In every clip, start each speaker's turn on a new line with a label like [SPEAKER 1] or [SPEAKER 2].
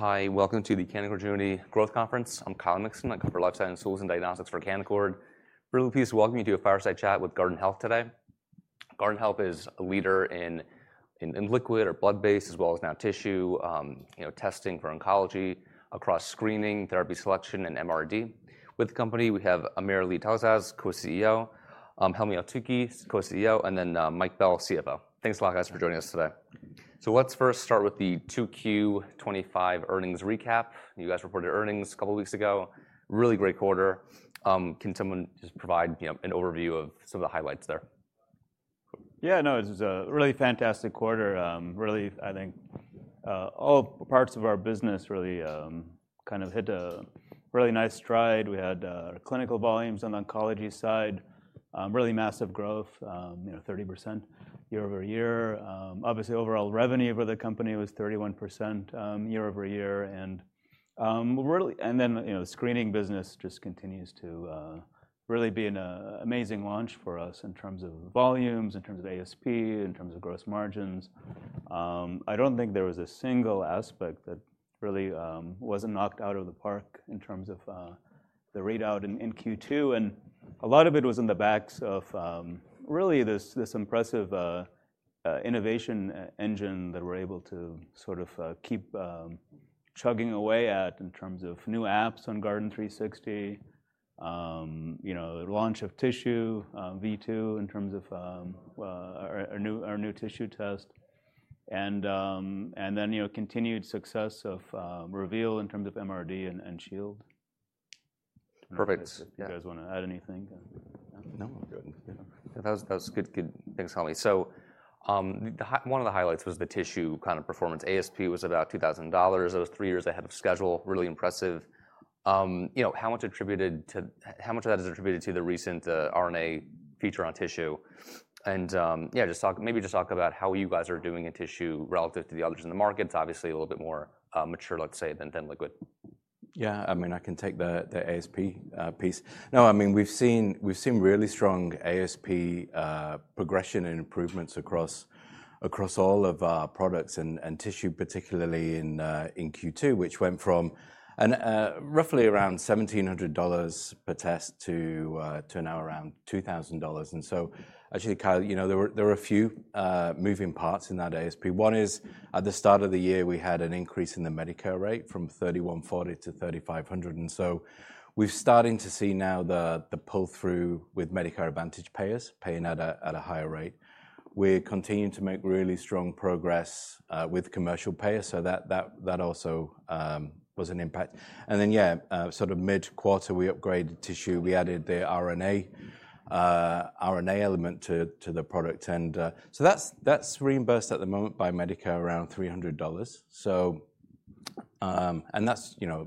[SPEAKER 1] Hi, welcome to the Canonical Journey Growth Conference. I'm Kyle Nixon. I cover lifestyle and tools and diagnostics for Canonical. We're really pleased to welcome you to a fireside chat with Guardant Health today. Guardant Health is a leader in liquid or blood-based, as well as now tissue, you know, testing for oncology across screening, therapy selection, and MRD. With the company, we have AmirAli Talasaz, Co-CEO, Helmy Eltoukhy, Co-CEO, and then Mike Bell, CFO. Thanks a lot, guys, for joining us today. Let's first start with the Q2 2025 earnings recap. You guys reported earnings a couple of weeks ago. Really great quarter. Can someone just provide, you know, an overview of some of the highlights there?
[SPEAKER 2] Yeah, no, it was a really fantastic quarter. Really, I think all parts of our business really kind of hit a really nice stride. We had clinical volumes on the oncology side, really massive growth, you know, 30% year over year. Obviously, overall revenue for the company was 31% year-over-year. The screening business just continues to really be an amazing launch for us in terms of volumes, in terms of ASP, in terms of gross margins. I don't think there was a single aspect that really wasn't knocked out of the park in terms of the readout in Q2. And a lot of it was in the backs of really this impressive innovation engine that we're able to sort of keep chugging away at in terms of new apps on Guardant360, you know, launch of Tissue V2 in terms of our new tissue test, and then, you know, continued success of Guardant Reveal in terms of MRD and Shield. If you guys want to add anything.
[SPEAKER 1] No, that was good. Thanks, Helmy. One of the highlights was the tissue kind of performance. ASP was about $2,000. That was three years ahead of schedule. Really impressive. You know, how much of that is attributed to the recent RNA feature on tissue? Just talk about how you guys are doing in tissue relative to the others in the markets. Obviously, a little bit more mature, let's say, than liquid.
[SPEAKER 3] Yeah, I mean, I can take the ASP piece. No, I mean, we've seen really strong ASP progression and improvements across all of our products and tissue, particularly in Q2, which went from roughly around $1,700 per test to now around $2,000. Actually, Kyle, you know, there were a few moving parts in that ASP. One is at the start of the year, we had an increase in the Medicare rate from $3,140-$3,500. We're starting to see now the pull-through with Medicare Advantage payers paying at a higher rate. We're continuing to make really strong progress with commercial payers. That also was an impact. Sort of mid-quarter, we upgraded tissue. We added the RNA element to the product end. That's reimbursed at the moment by Medicare around $300.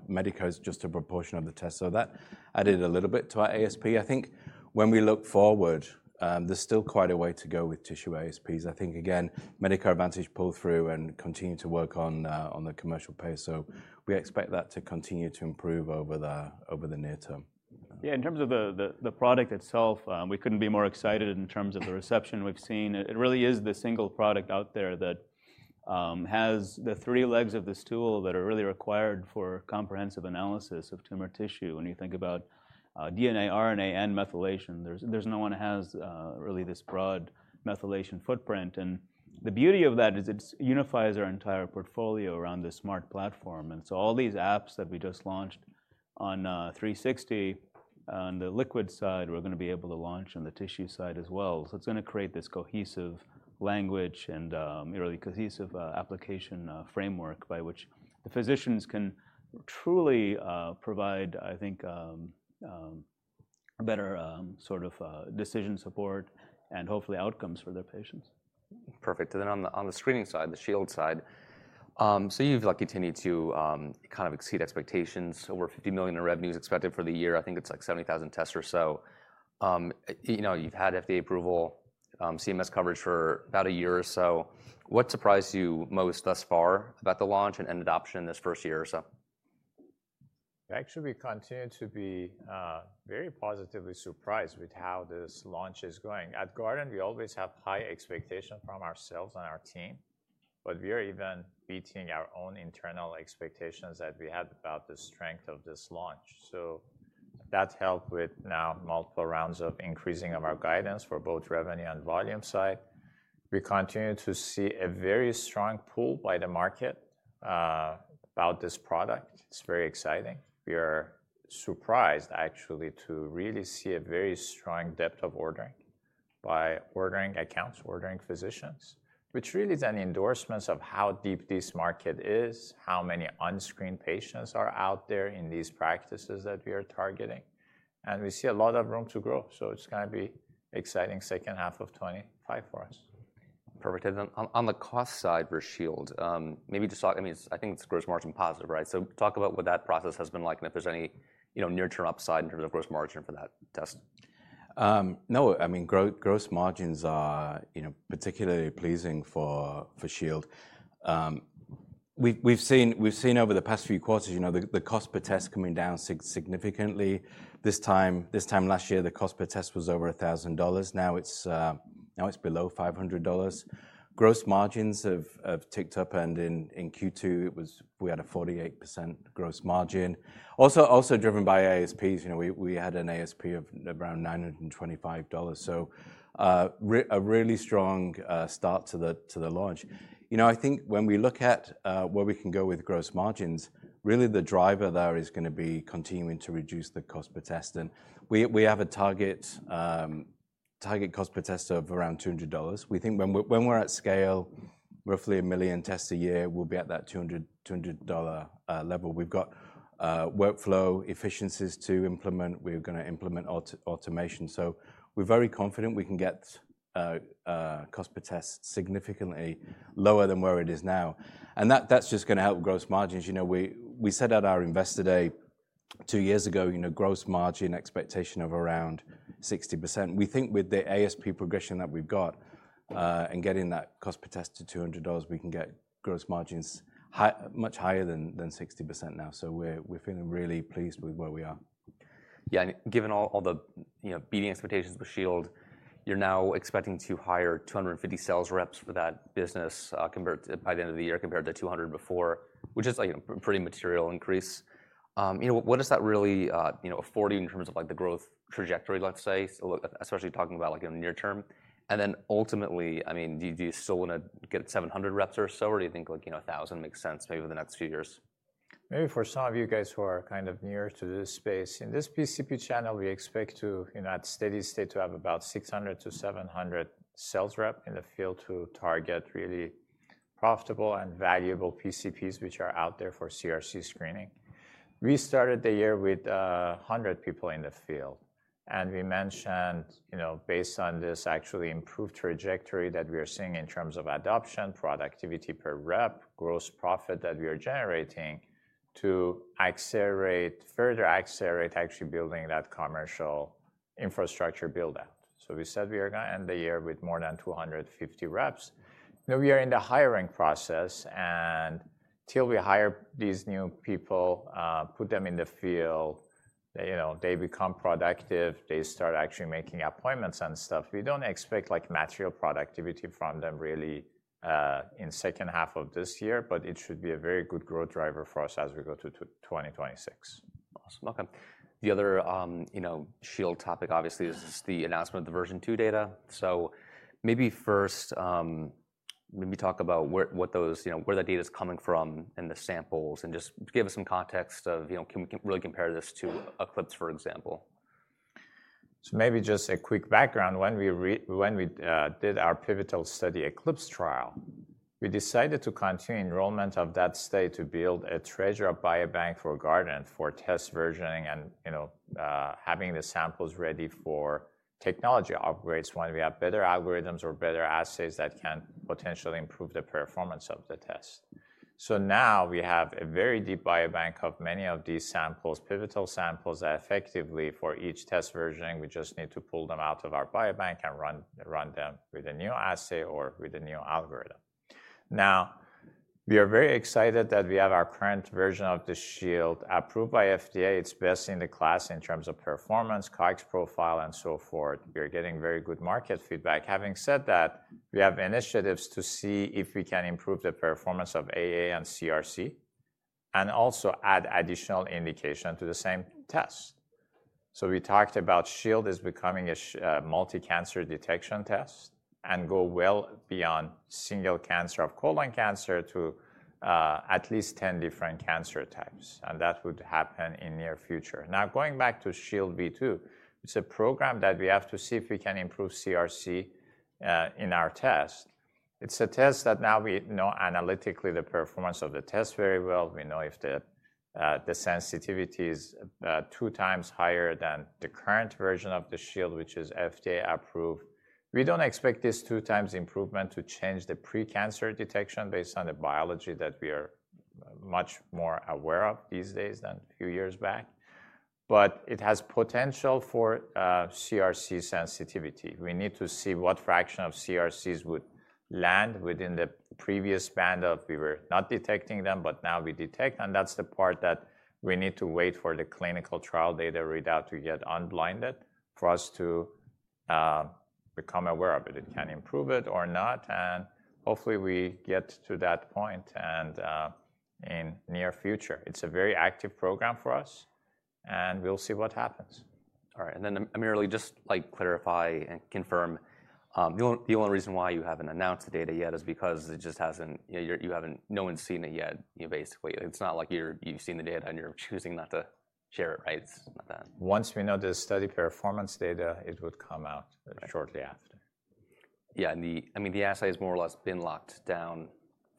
[SPEAKER 3] Medicare is just a proportion of the test. That added a little bit to our ASP. I think when we look forward, there's still quite a way to go with tissue ASPs. I think, again, Medicare Advantage pull-through and continue to work on the commercial pay. We expect that to continue to improve over the near term.
[SPEAKER 2] Yeah, in terms of the product itself, we couldn't be more excited in terms of the reception we've seen. It really is the single product out there that has the three legs of the stool that are really required for comprehensive analysis of tumor tissue. When you think about DNA, RNA, and methylation, there's no one that has really this broad methylation footprint. The beauty of that is it unifies our entire portfolio around this smart platform. All these apps that we just launched on 360, on the liquid side, we're going to be able to launch on the tissue side as well. It is going to create this cohesive language and really cohesive application framework by which the physicians can truly provide, I think, better sort of decision support and hopefully outcomes for their patients.
[SPEAKER 1] Perfect. On the screening side, the Shield side, you've continued to kind of exceed expectations, over $50 million in revenues expected for the year. I think it's like 70,000 tests or so. You know, you've had FDA approval, CMS coverage for about a year or so. What surprised you most thus far about the launch and adoption this first year or so?
[SPEAKER 4] Actually, we continue to be very positively surprised with how this launch is going. At Guardant Health, we always have high expectations from ourselves and our team, but we are even beating our own internal expectations that we had about the strength of this launch. That helped with now multiple rounds of increasing our guidance for both revenue and volume side. We continue to see a very strong pull by the market about this product. It's very exciting. We are surprised, actually, to really see a very strong depth of ordering by ordering accounts, ordering physicians, which really is an endorsement of how deep this market is, how many unscreened patients are out there in these practices that we are targeting. We see a lot of room to grow. It's going to be an exciting second half of 2025 for us.
[SPEAKER 1] Perfect. On the cost side for Shield, maybe just talk, I mean, I think it's gross margin positive, right? Talk about what that process has been like and if there's any near-term upside in terms of gross margin for that test.
[SPEAKER 3] No, I mean, gross margins are, you know, particularly pleasing for Shield. We've seen over the past few quarters, you know, the cost per test coming down significantly. This time last year, the cost per test was over $1,000. Now it's below $500. Gross margins have ticked up, and in Q2, we had a 48% gross margin. Also driven by ASPs, you know, we had an ASP of around $925. A really strong start to the launch. I think when we look at where we can go with gross margins, really the driver there is going to be continuing to reduce the cost per test. We have a target cost per test of around $200. We think when we're at scale, roughly a million tests a year, we'll be at that $200 level. We've got workflow efficiencies to implement. We're going to implement automation. We're very confident we can get cost per test significantly lower than where it is now. That's just going to help gross margins. We set out our investor day two years ago, gross margin expectation of around 60%. We think with the ASP progression that we've got and getting that cost per test to $200, we can get gross margins much higher than 60% now. We're feeling really pleased with where we are.
[SPEAKER 1] Yeah, and given all the beating expectations with Shield, you're now expecting to hire 250 sales reps for that business by the end of the year compared to 200 before, which is a pretty material increase. What does that really afford you in terms of like the growth trajectory, let's say, especially talking about like in the near term? Ultimately, I mean, do you still want to get 700 reps or so, or do you think like a thousand makes sense maybe over the next few years?
[SPEAKER 4] Maybe for some of you guys who are kind of newer to this space, in this PCP channel, we expect to, you know, at steady state to have about 600-700 sales reps in the field to target really profitable and valuable PCPs which are out there for CRC screening. We started the year with 100 people in the field. We mentioned, you know, based on this actually improved trajectory that we are seeing in terms of adoption, productivity per rep, gross profit that we are generating to further accelerate actually building that commercial infrastructure build-out. We said we are going to end the year with more than 250 reps. Now we are in the hiring process. Until we hire these new people, put them in the field, you know, they become productive, they start actually making appointments and stuff. We don't expect like material productivity from them really in the second half of this year, but it should be a very good growth driver for us as we go to 2026.
[SPEAKER 1] Awesome. Welcome. The other, you know, Shield topic obviously is the announcement of the version two data. Maybe first, talk about where that data is coming from and the samples, and just give us some context of, you know, can we really compare this to ECLIPSE, for example?
[SPEAKER 4] Maybe just a quick background. When we did our pivotal study, ECLIPSE trial, we decided to continue enrollment of that study to build a treasure of biobank for Guardant for test versioning and, you know, having the samples ready for technology upgrades when we have better algorithms or better assays that can potentially improve the performance of the test. Now we have a very deep biobank of many of these samples, pivotal samples that effectively for each test versioning, we just need to pull them out of our biobank and run them with a new assay or with a new algorithm. We are very excited that we have our current version of the Shield approved by FDA. It's best in the class in terms of performance, COX profile, and so forth. We are getting very good market feedback. Having said that, we have initiatives to see if we can improve the performance of AA and CRC and also add additional indication to the same test. We talked about Shield is becoming a multi-cancer detection test and go well beyond single cancer of colon cancer to at least 10 different cancer types. That would happen in the near future. Going back to Shield V2, it's a program that we have to see if we can improve CRC in our test. It's a test that now we know analytically the performance of the test very well. We know if the sensitivity is two times higher than the current version of the Shield, which is FDA approved. We don't expect this two times improvement to change the precancer detection based on the biology that we are much more aware of these days than a few years back. But it has potential for CRC sensitivity. We need to see what fraction of CRCs would land within the previous band of we were not detecting them, but now we detect. That's the part that we need to wait for the clinical trial data readout to get unblinded for us to become aware of it. It can improve it or not. Hopefully, we get to that point in the near future. It's a very active program for us. We'll see what happens.
[SPEAKER 1] All right. AmirAli, just to clarify and confirm, the only reason why you haven't announced the data yet is because it just hasn't, you haven't, no one's seen it yet, basically. It's not like you've seen the data and you're choosing not to share it, right?
[SPEAKER 4] Once we know the study performance data, it would come out shortly after.
[SPEAKER 1] Yeah, and the assay has more or less been locked down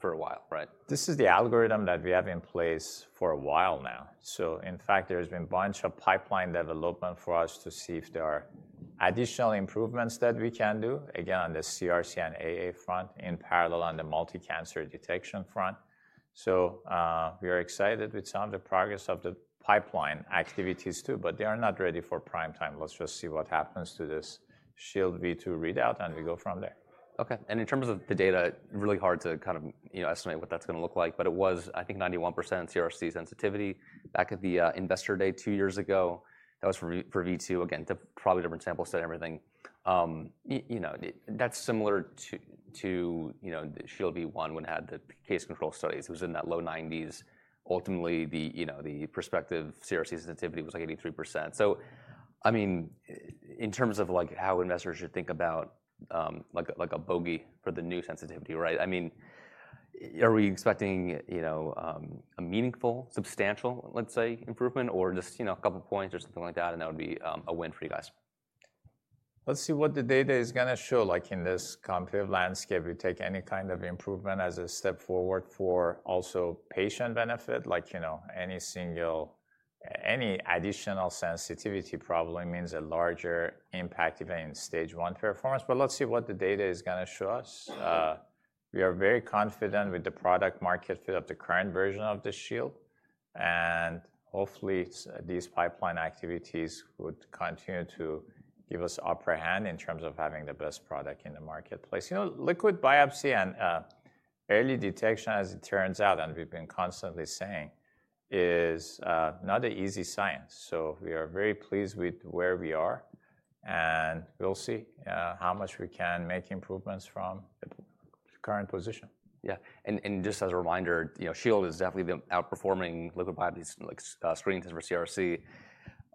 [SPEAKER 1] for a while, right?
[SPEAKER 4] This is the algorithm that we have in place for a while now. In fact, there has been a bunch of pipeline development for us to see if there are additional improvements that we can do, again, on the CRC and AA front, in parallel on the multi-cancer detection front. We are excited with some of the progress of the pipeline activities too, but they are not ready for prime time. Let's just see what happens to this Shield V2 readout and we go from there.
[SPEAKER 1] Okay. In terms of the data, it's really hard to kind of estimate what that's going to look like, but it was, I think, 91% CRC sensitivity back at the investor day two years ago. That was for V2, again, probably different samples to everything. That's similar to the Shield V1 when it had the case control studies. It was in that low 90s. Ultimately, the prospective CRC sensitivity was like 83%. In terms of how investors should think about a bogey for the new sensitivity, right? Are we expecting a meaningful, substantial, let's say, improvement or just a couple of points or something like that, and that would be a win for you guys?
[SPEAKER 4] Let's see what the data is going to show. In this computer landscape, we take any kind of improvement as a step forward for also patient benefit. Any single, any additional sensitivity probably means a larger impact even in stage one performance. Let's see what the data is going to show us. We are very confident with the product market fit of the current version of the Shield. Hopefully, these pipeline activities would continue to give us an upper hand in terms of having the best product in the marketplace. Liquid biopsy and early detection, as it turns out, and we've been constantly saying, is not an easy science. We are very pleased with where we are. We'll see how much we can make improvements from the current position.
[SPEAKER 1] Yeah. Just as a reminder, you know, Shield has definitely been outperforming liquid biopsy screening tests for CRC.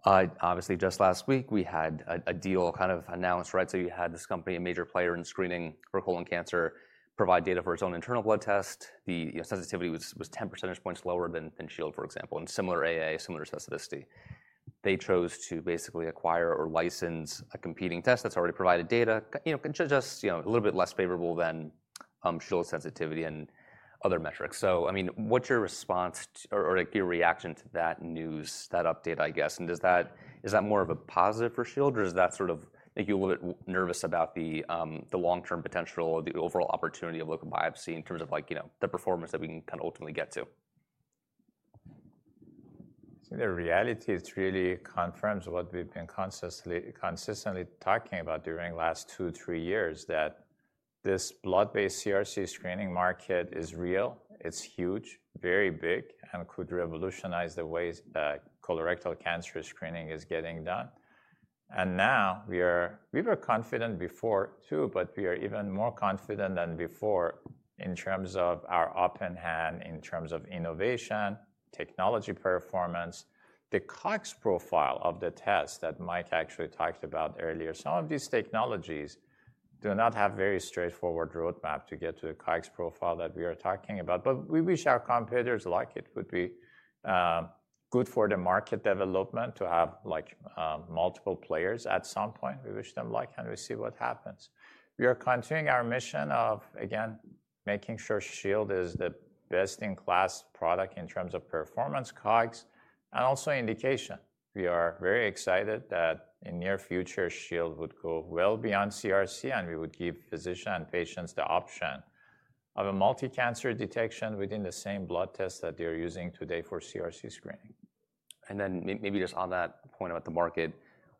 [SPEAKER 1] Obviously, just last week, we had a deal kind of announced, right? You had this company, a major player in screening for colon cancer, provide data for its own internal blood test. The sensitivity was 10% lower than Shield, for example, and similar AA, similar sensitivity. They chose to basically acquire or license a competing test that's already provided data, you know, just a little bit less favorable than Shield sensitivity and other metrics. I mean, what's your response or your reaction to that news, that update, I guess? Is that more of a positive for Shield, or does that sort of make you a little bit nervous about the long-term potential or the overall opportunity of liquid biopsy in terms of like, you know, the performance that we can kind of ultimately get to?
[SPEAKER 4] The reality is it really confirms what we've been consistently talking about during the last two, three years, that this blood-based CRC screening market is real. It's huge, very big, and could revolutionize the way colorectal cancer screening is getting done. We were confident before too, but we are even more confident than before in terms of our upper hand, in terms of innovation, technology performance, the COX profile of the test that Mike actually talked about earlier. Some of these technologies do not have a very straightforward roadmap to get to the COX profile that we are talking about. We wish our competitors like it. It would be good for the market development to have multiple players at some point. We wish them luck, and we'll see what happens. We are continuing our mission of making sure Shield is the best-in-class product in terms of performance, COX, and also indication. We are very excited that in the near future, Shield would go well beyond CRC, and we would give physicians and patients the option of a multi-cancer detection within the same blood test that they're using today for CRC screening.
[SPEAKER 1] And maybe just on that point about the market,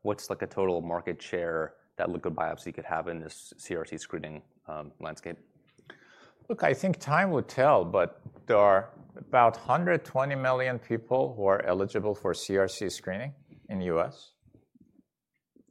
[SPEAKER 1] what's like a total market share that liquid biopsy could have in this CRC screening landscape?
[SPEAKER 4] Look, I think time will tell, but there are about 120 million people who are eligible for CRC screening in the U.S.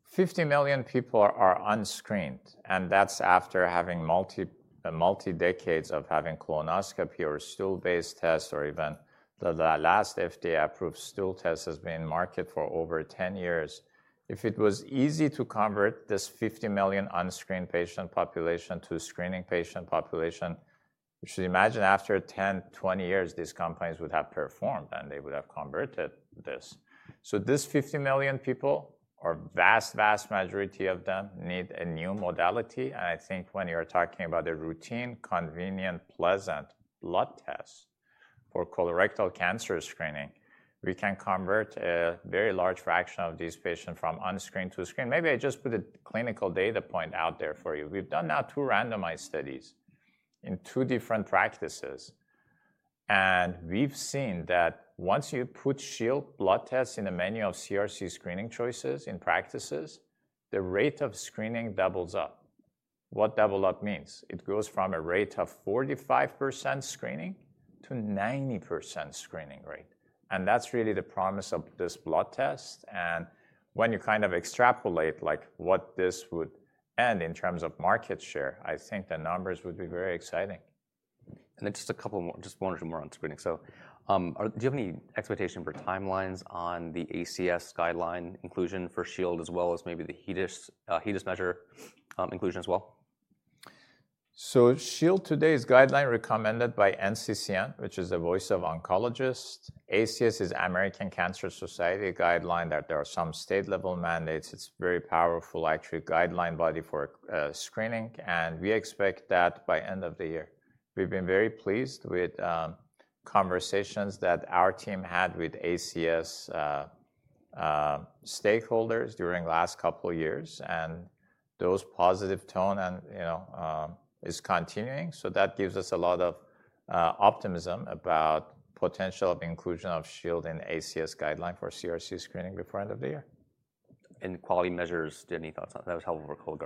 [SPEAKER 4] 50 million people are unscreened, and that's after having multi-decades of having colonoscopy or stool-based tests, or even the last FDA-approved stool test has been in market for over 10 years. If it was easy to convert this 50 million unscreened patient population to a screening patient population, you should imagine after 10, 20 years, these companies would have performed, and they would have converted this. This 50 million people, or a vast, vast majority of them, need a new modality. I think when you're talking about a routine, convenient, pleasant blood test for colorectal cancer screening, we can convert a very large fraction of these patients from unscreened to screened. Maybe I just put a clinical data point out there for you. We've done now two randomized studies in two different practices, and we've seen that once you put Shield blood tests in the menu of CRC screening choices in practices, the rate of screening doubles up. What doubles up means it goes from a rate of 45% screening to a 90% screening rate. That's really the promise of this blood test. When you kind of extrapolate like what this would end in terms of market share, I think the numbers would be very exciting.
[SPEAKER 1] Just a couple more, just one or two more on screening. Do you have any expectation for timelines on the ACS guideline inclusion for Shield, as well as maybe the HEDIS measure inclusion as well?
[SPEAKER 4] Shield today is guideline-recommended by NCCN, which is the voice of oncologists. ACS is the American Cancer Society guideline, and there are some state-level mandates. It's a very powerful guideline body for screening. We expect that by the end of the year. We've been very pleased with conversations that our team had with ACS stakeholders during the last couple of years, and those positive tones are continuing. That gives us a lot of optimism about the potential of inclusion of Shield in the ACS guideline for CRC screening before the end of the year.
[SPEAKER 1] Quality measures, do you have any thoughts on that? That was helpful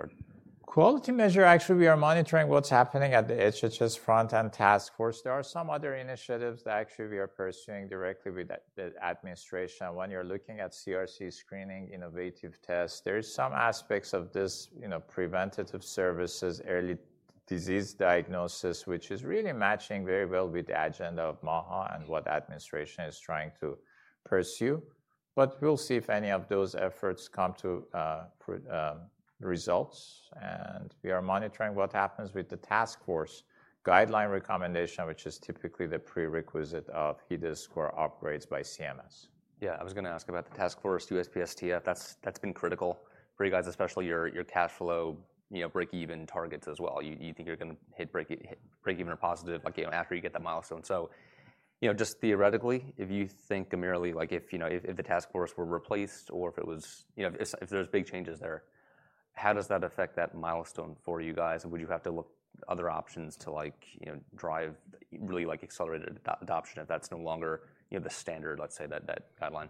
[SPEAKER 1] for Cologuard.
[SPEAKER 4] Quality measure, actually, we are monitoring what's happening at the HHS front-end task force. There are some other initiatives that actually we are pursuing directly with the administration. When you're looking at CRC screening, innovative tests, there are some aspects of this, you know, preventative services, early disease diagnosis, which is really matching very well with the agenda of MAHA and what the administration is trying to pursue. We'll see if any of those efforts come to results. We are monitoring what happens with the task force guideline recommendation, which is typically the prerequisite of HEDIS score upgrades by CMS.
[SPEAKER 1] Yeah, I was going to ask about the task force USPSTF. That's been critical for you guys, especially your cash flow, you know, break-even targets as well. You think you're going to hit break-even or positive, like, you know, after you get that milestone. Just theoretically, if you think, AmirAli, like if, you know, if the task force were replaced or if it was, you know, if there's big changes there, how does that affect that milestone for you guys? Would you have to look at other options to, like, you know, drive really, like, accelerated adoption if that's no longer, you know, the standard, let's say, that guideline?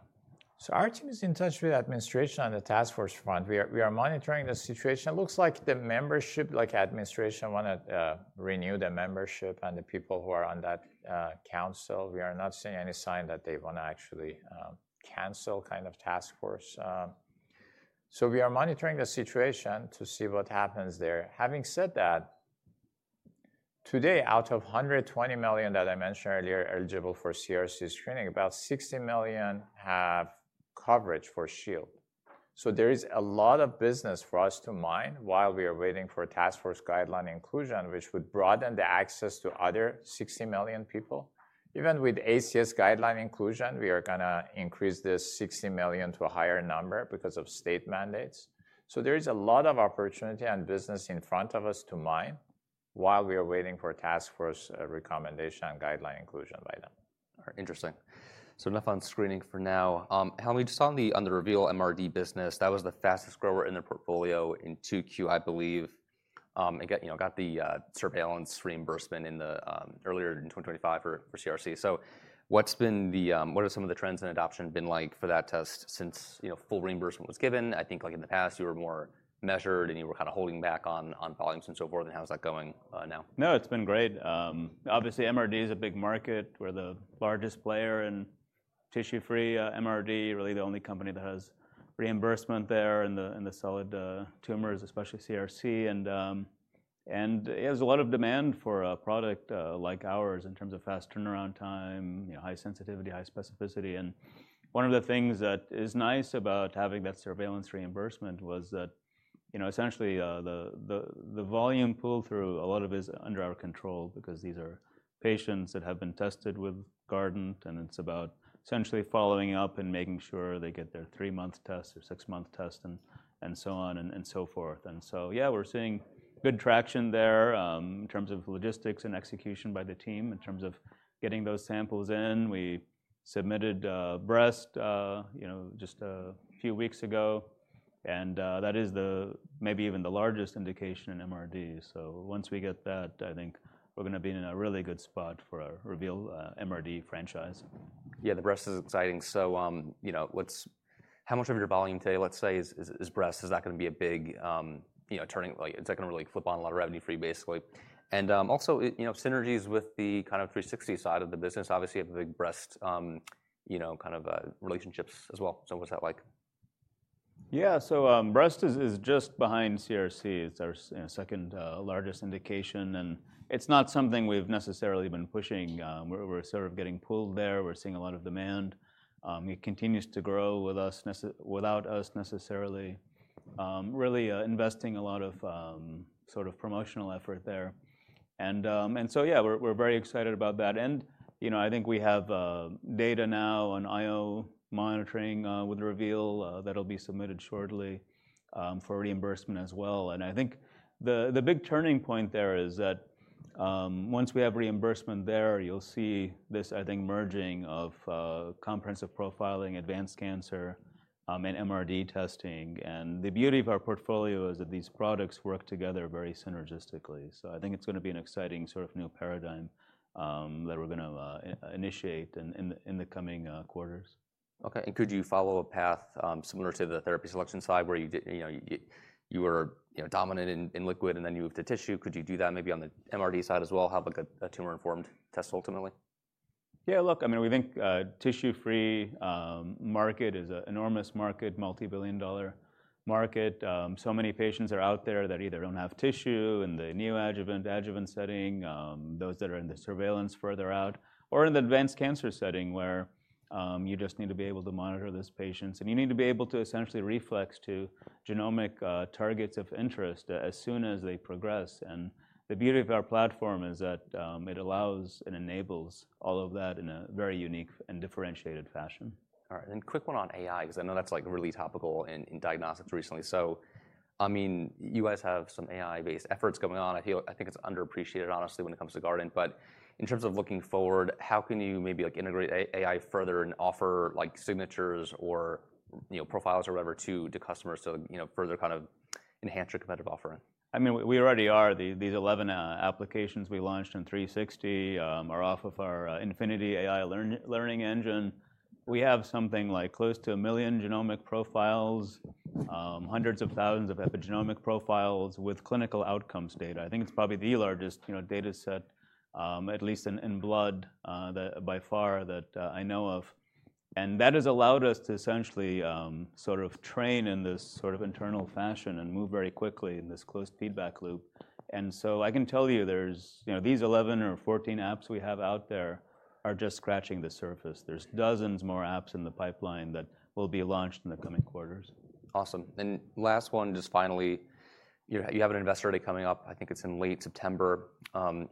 [SPEAKER 4] Our team is in touch with the administration on the task force front. We are monitoring the situation. It looks like the administration wanted to renew the membership and the people who are on that council. We are not seeing any sign that they want to actually cancel the task force. We are monitoring the situation to see what happens there. Having said that, today, out of 120 million that I mentioned earlier eligible for CRC screening, about 60 million have coverage for Shield. There is a lot of business for us to mine while we are waiting for task force guideline inclusion, which would broaden the access to the other 60 million people. Even with ACS guideline inclusion, we are going to increase this 60 million to a higher number because of state mandates. So there is a lot of opportunity and business in front of us to mine while we are waiting for task force recommendation and guideline inclusion by then.
[SPEAKER 1] Interesting. Enough on screening for now. Helmy, just on the Guardant Reveal MRD business, that was the fastest grower in the portfolio in Q2, I believe, and got the surveillance reimbursement earlier in 2025 for CRC. What have some of the trends in adoption been like for that test since full reimbursement was given? I think in the past, you were more measured and you were kind of holding back on volumes and so forth. How's that going now?
[SPEAKER 2] No, it's been great. Obviously, MRD is a big market. We're the largest player in tissue-free MRD, really the only company that has reimbursement there in the solid tumors, especially CRC. There's a lot of demand for a product like ours in terms of fast turnaround time, high sensitivity, high specificity. One of the things that is nice about having that surveillance reimbursement is that essentially, the volume pull-through, a lot of it is under our control because these are patients that have been tested with Guardant. It's about essentially following up and making sure they get their three-month test or six-month test and so on and so forth. We're seeing good traction there in terms of logistics and execution by the team in terms of getting those samples in. We submitted breast, just a few weeks ago, and that is maybe even the largest indication in MRD. So once we get that, I think we're going to be in a really good spot for our Reveal MRD franchise.
[SPEAKER 1] Yeah, the breast is exciting. You know, how much of your volume today, let's say, is breast? Is that going to be a big, you know, turning? Is that going to really flip on a lot of revenue for you, basically? Also, you know, synergies with the kind of 360 side of the business, obviously, you have a big breast, you know, kind of relationships as well. What's that like?
[SPEAKER 2] Yeah, breast is just behind CRC. It's our second largest indication. It's not something we've necessarily been pushing. We're sort of getting pulled there. We're seeing a lot of demand. It continues to grow without us necessarily really investing a lot of promotional effort there. We're very excited about that. I think we have data now on IO monitoring with Reveal that'll be submitted shortly for reimbursement as well. I think the big turning point there is that once we have reimbursement there, you'll see this merging of comprehensive profiling, advanced cancer, and MRD testing. The beauty of our portfolio is that these products work together very synergistically. I think it's going to be an exciting new paradigm that we're going to initiate in the coming quarters.
[SPEAKER 1] Okay. Could you follow a path similar to the therapy selection side where you were dominant in liquid and then you moved to tissue? Could you do that maybe on the MRD side as well, have a tumor-informed test ultimately?
[SPEAKER 2] Yeah, look, I mean, we think tissue-free market is an enormous market, multi-billion dollar market. So many patients are out there that either don't have tissue in the neoadjuvant, adjuvant setting, those that are in the surveillance further out, or in the advanced cancer setting where you just need to be able to monitor those patients. You need to be able to essentially reflex to genomic targets of interest as soon as they progress. The beauty of our platform is that it allows and enables all of that in a very unique and differentiated fashion.
[SPEAKER 1] All right. Quick one on AI, because I know that's really topical in diagnostics recently. I mean, you guys have some AI-based efforts going on. I think it's underappreciated, honestly, when it comes to Guardant. In terms of looking forward, how can you maybe integrate AI further and offer signatures or, you know, profiles or whatever to customers to further kind of enhance your competitive offering?
[SPEAKER 2] I mean, we already are. These 11 applications we launched in 360 are off of our Infinity AI Learning Engine. We have something like close to a million genomic profiles, hundreds of thousands of epigenomic profiles with clinical outcomes data. I think it's probably the largest data set, at least in blood by far that I know of. That has allowed us to essentially sort of train in this sort of internal fashion and move very quickly in this closed feedback loop. I can tell you these 11 or 14 apps we have out there are just scratching the surface. There are dozens more apps in the pipeline that will be launched in the coming quarters.
[SPEAKER 1] Awesome. Last one, just finally, you have an investor day coming up. I think it's in late September.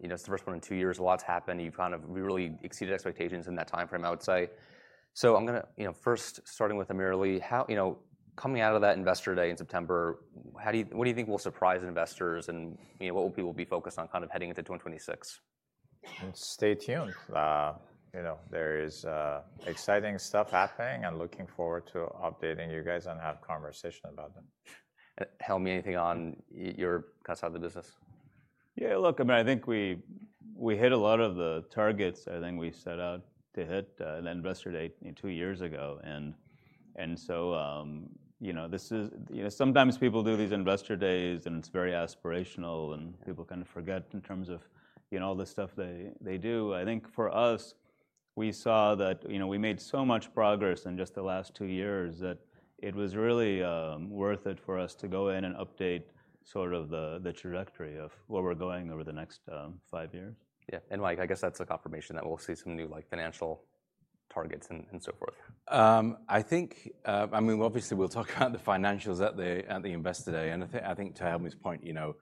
[SPEAKER 1] It's the first one in two years. A lot's happened. You've kind of really exceeded expectations in that timeframe, I would say. I'm going to, first starting with AmirAli, how, you know, coming out of that investor day in September, what do you think will surprise investors and what will people be focused on heading into 2026?
[SPEAKER 4] Stay tuned. You know, there is exciting stuff happening. I'm looking forward to updating you guys and have a conversation about them.
[SPEAKER 1] Helmy, anything on your thoughts about the business?
[SPEAKER 2] Yeah, look, I mean, I think we hit a lot of the targets I think we set out to hit at investor day two years ago. Sometimes people do these investor days and it's very aspirational and people kind of forget in terms of all the stuff they do. I think for us, we saw that we made so much progress in just the last two years that it was really worth it for us to go in and update sort of the trajectory of where we're going over the next five years.
[SPEAKER 1] Yeah, Mike, I guess that's affirmation that we'll see some new financial targets and so forth.
[SPEAKER 3] I think, obviously we'll talk about the financials at the investor day. I think to Helmy's point, you know,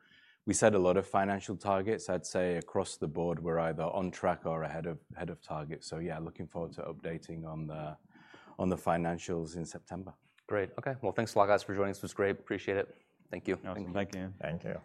[SPEAKER 3] we set a lot of financial targets. I'd say across the board, we're either on track or ahead of targets. Looking forward to updating on the financials in September.
[SPEAKER 1] Great. Okay. Thanks a lot, guys, for joining. This was great. Appreciate it. Thank you.
[SPEAKER 2] Thank you.
[SPEAKER 4] Thank you.